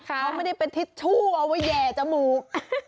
เขาไม่ได้เป็นทิชชู่เอาไว้แห่จมูก